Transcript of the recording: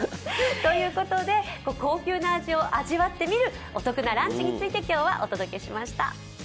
高級な味を味わってみるお得なランチについて今日はお届けしました。